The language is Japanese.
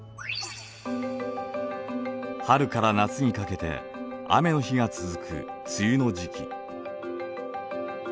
春から夏にかけて雨の日が続く梅雨の時期。